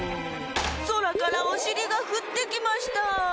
そらからおしりがふってきました。